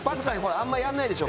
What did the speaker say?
あんまりやらないでしょ？